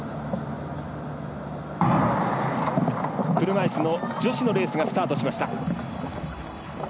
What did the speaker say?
車いすの女子のレースがスタートしました。